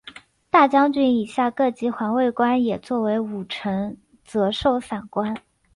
大将军以下各级环卫官也作为武臣责授散官。